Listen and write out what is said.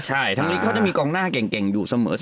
ใช่ทั้งนี้เขาจะมีกองหน้าเก่งอยู่เสมอ